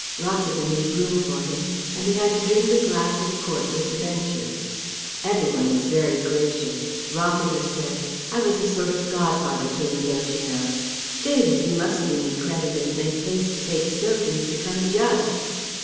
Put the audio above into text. Rossiter made room for him, and he had to drink a glass of port with the Benchers. Every one was very gracious. Rossiter said: "I was a sort of godfather to him, don't you know. David! you must do me credit and make haste to take silk and become a Judge."